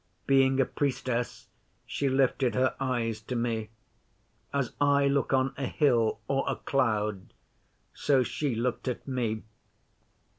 Being a Priestess, she lifted her eyes to me. As I look on a hill or a cloud, so she looked at me.